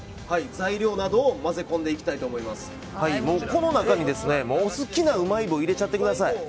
この中に、お好きなうまい棒を入れちゃってください。